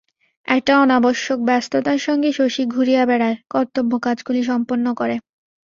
একটা অনাবশ্যক ব্যস্ততার সঙ্গে শশী ঘুরিয়া বেড়ায়, কর্তব্য কাজগুলি সম্পন্ন করে।